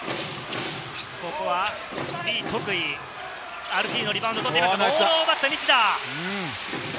ここはリ・トクイ、アルティーノ、リバウンドを取っていますが、ボールを奪った西田。